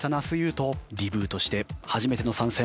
リブートして初めての参戦。